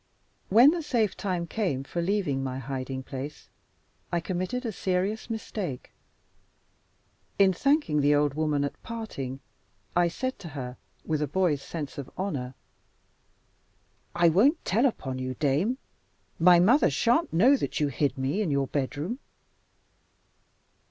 When the safe time came for leaving my hiding place, I committed a serious mistake. In thanking the old woman at parting, I said to her (with a boy's sense of honor), "I won't tell upon you, Dame. My mother shan't know that you hid me in your bedroom."